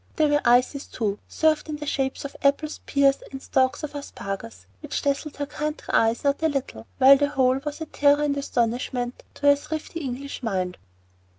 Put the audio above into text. There were ices too, served in the shapes of apples, pears, and stalks of asparagus, which dazzled her country eyes not a little, while the whole was a terror and astonishment to her thrifty English mind.